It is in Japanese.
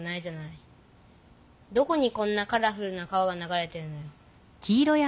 どこにこんなカラフルな川が流れてるのよ。